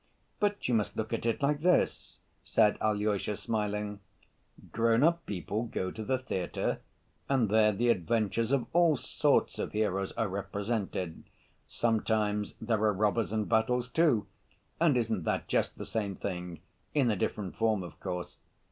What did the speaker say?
"But you must look at it like this," said Alyosha, smiling. "Grown‐up people go to the theater and there the adventures of all sorts of heroes are represented—sometimes there are robbers and battles, too—and isn't that just the same thing, in a different form, of course?